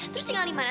terus tinggal dimana